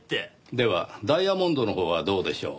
ではダイヤモンドのほうはどうでしょう？